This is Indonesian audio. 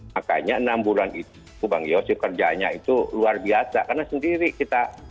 makanya enam bulan itu bang yosi kerjanya itu luar biasa karena sendiri kita